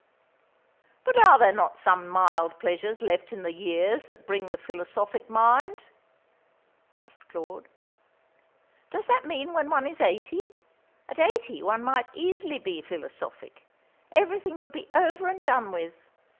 "But are there not some mild pleasures left in the years that bring the philosophic mind?" asked Claude. "Does that mean when one is eighty? At eighty one might easily be philosophic. Everything would be over and done with.